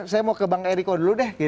saya mau ke bang eriko dulu deh